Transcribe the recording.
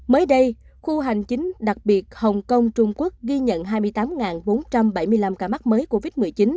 mới đây khu hành chính đặc biệt hồng kông trung quốc ghi nhận hai mươi tám bốn trăm bảy mươi năm ca mắc mới covid một mươi chín